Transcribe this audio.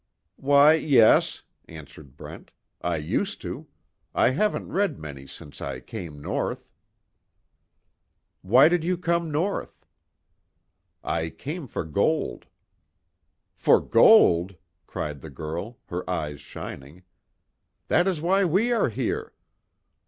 "Why yes," answered Brent, "I used to. I haven't read many since I came North." "Why did you come North?" "I came for gold." "For gold!" cried the girl, her eyes shining, "That is why we are here!